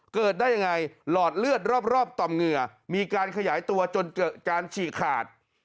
เกิดได้ยังไงหลอดเลือดรอบต่อมเหงื่อมีการขยายตัวจนเกิดการฉี่ขาด